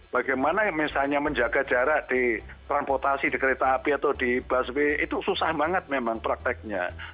bagaimana misalnya menjaga jarak di transportasi di kereta api atau di busway itu susah banget memang prakteknya